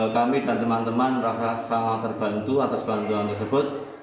kami dan teman teman merasa sangat terbantu atas bantuan tersebut